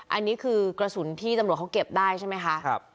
อันนี้คือกระสุนที่ตำรวจเขาเก็บได้ใช่ไหมคะ